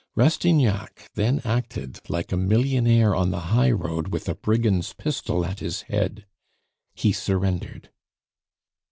Rastignac then acted like a millionaire on the highroad with a brigand's pistol at his head; he surrendered.